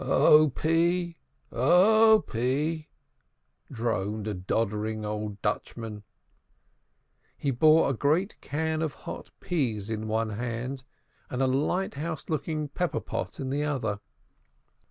"Oppea! Oppea!" droned a doddering old Dutchman. He bore a great can of hot peas in one hand and a lighthouse looking pepper pot in the other.